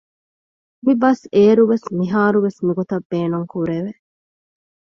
މިބަސް އޭރު ވެސް މިހާރު ވެސް މިގޮތަށް ބޭނުންކުރެވެ